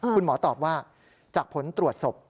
คุณหมอตอบว่าจากผลตรวจศพ